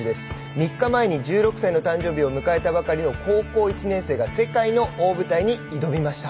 ３日前１６歳の誕生日を迎えたばかりの高校１年生が世界の大舞台に挑みました。